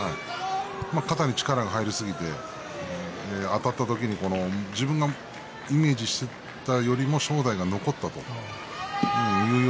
肩に力が入りすぎてあたった時に、自分がイメージしていたよりも正代が残っていたんだと思います。